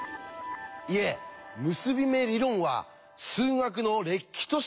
いえ「結び目理論」は数学のれっきとした一分野なんです。